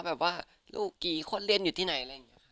บอกว่าลูกกี่คนเรียนอยู่ที่ไหน